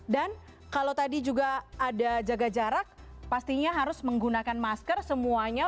dan kalau tadi juga ada jaga jarak pastinya harus menggunakan masker semuanya